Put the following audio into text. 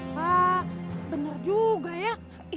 pak benar juga ya